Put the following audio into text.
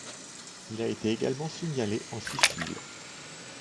Il a été également signalé en Sicile.